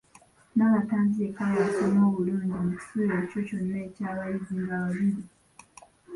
Nabatanzi yekka y'asoma obulungi mu kisulo ekyo kyonna eky’abayizi nga bibiri.